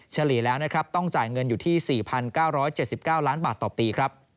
เฉลี่ยแล้วต้องจ่ายเงินอยู่ที่๔๙๗๙ล้านบาทต่อปี